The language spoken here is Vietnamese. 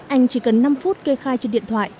anh chỉ cần năm phút kê khai trên điện thoại